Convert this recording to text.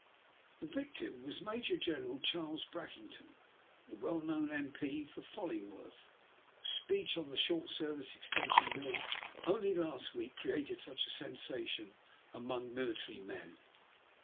The victim was Major General Charles Brackington, the well known M.F. for Follingworth, whose speech on the Short Ser vice Extension Bill only last week created such a sensation among military men.